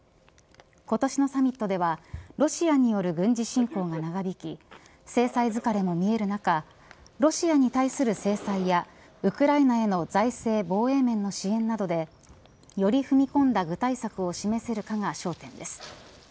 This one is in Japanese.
今年のサミットではロシアによる軍事侵攻が長引き制裁疲れも見える中ロシアに対する制裁やウクライナへの財政防衛面の支援などでより踏み込んだ具体策を示せるかが焦点です。